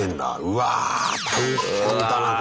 うわ大変だなこれ。